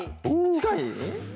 近い？